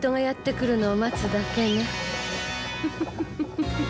フフフフ！